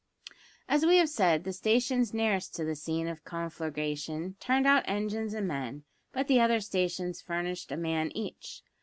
As we have said, the stations nearest to the scene of conflagration turned out engines and men; but the other stations furnished a man each.